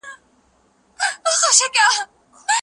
ریښتیا میدان ګټي.